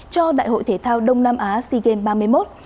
cho đại hội thể thao đông nam á sea games ba mươi một